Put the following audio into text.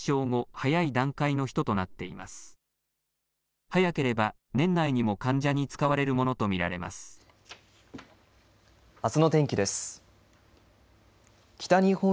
早ければ年内にも、患者に使われるものと見られます。